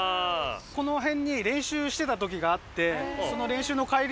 この辺で練習してた時があって。